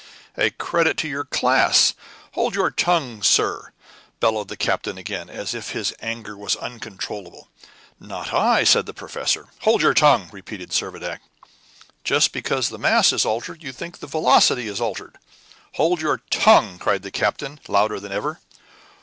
"A credit to your class!" "Hold your tongue, sir!" bellowed the captain again, as if his anger was uncontrollable. "Not I," said the professor. "Hold your tongue!" repeated Servadac. "Just because the mass is altered you think the velocity is altered?" "Hold your tongue!" cried the captain, louder than ever.